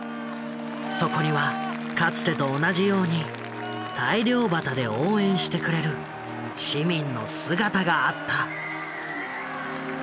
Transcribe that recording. そこにはかつてと同じように大漁旗で応援してくれる市民の姿があった。